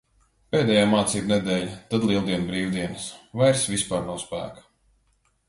Pēdējā mācību nedēļa, tad Lieldienu brīvdienas. Vairs vispār nav spēka.